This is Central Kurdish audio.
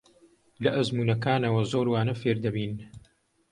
لە ئەزموونەکانەوە زۆر وانە فێر دەبین.